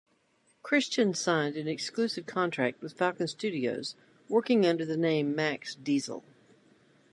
Christian signed an exclusive contract with Falcon Studios working under the name Maxx Diesel.